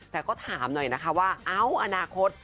แต่ก็ถามหน่อยนะคะว่าเอ้าอนาคต